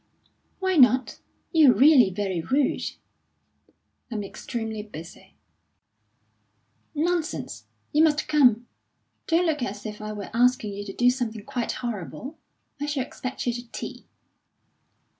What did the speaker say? "Why not? You're really very rude." "I'm extremely busy." "Nonsense! You must come. Don't look as if I were asking you to do something quite horrible. I shall expect you to tea."